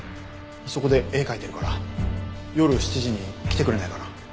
そこで絵描いてるから夜７時に来てくれないかな？